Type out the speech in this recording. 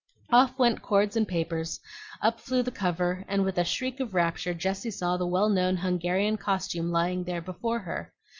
Off went cords and papers, up flew the cover, and with a shriek of rapture Jessie saw the well known Hungarian costume lying there before her.